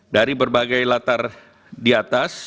dari berbagai latar di atas